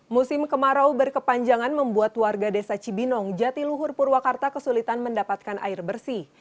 musim kemarau berkepanjangan membuat warga desa cibinong jatiluhur purwakarta kesulitan mendapatkan air bersih